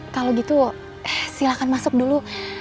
kalau gitu silakan masuk dulu